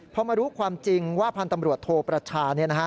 พอมารู้ความจริงว่าพันธ์ตำรวจโทประชา